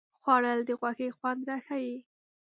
خوړل د غوښې خوند راښيي